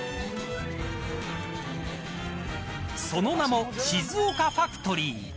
その名も静岡ファクトリー。